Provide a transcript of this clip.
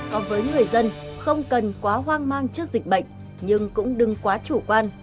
có với người dân không cần quá hoang mang trước dịch bệnh nhưng cũng đừng quá chủ quan